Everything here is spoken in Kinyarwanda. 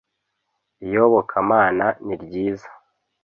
iyobokamana niryiza.